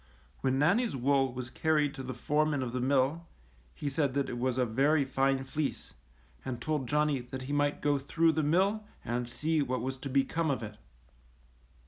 When Nannie's wool was carried to the foreman of the mill, he said that it was a very fine fieece, and told Johnny that he might go through the mill and see what was to become of it.